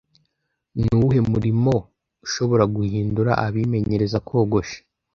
Ni uwuhe murimo ushobora guhindura abimenyereza kogosha